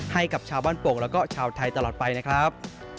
ให้กับชาวบ้านโป่งแล้วก็ชาวไทยตลอดไปนะครับ